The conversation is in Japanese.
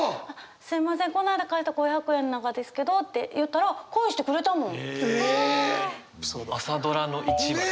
すいません、この間貸した５００円なんですけどって言ったら、返してくれたの。